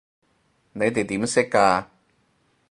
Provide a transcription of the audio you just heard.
你哋點識㗎？